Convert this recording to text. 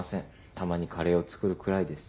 たまにカレーを作るくらいです。